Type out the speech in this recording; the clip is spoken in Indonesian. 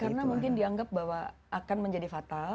karena mungkin dianggap bahwa akan menjadi fatal